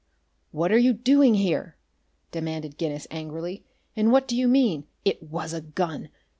"What are you doing here?" demanded Guinness angrily. "And what do you mean 'it was a gun?'